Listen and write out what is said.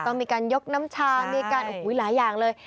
ต้องมีการยกน้ำชามีการหลายอย่างเลย